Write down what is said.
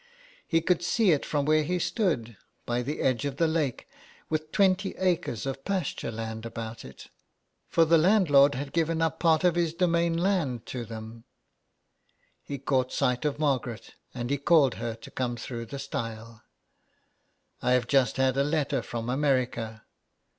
He could see it from where he stood — by the edge of the lake, with twenty acres of pasture land about it, for the landlord had given up part of his demesne land to them. 170 HOME SICKNESS. He caught sight of Margaret, and he called her to come through the stile. '' I have just had a letter from America."